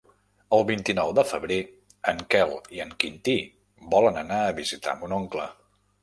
El vint-i-nou de febrer en Quel i en Quintí volen anar a visitar mon oncle.